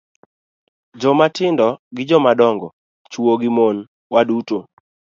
Jomatindo gi jomadongo, chwo gi mon, waduto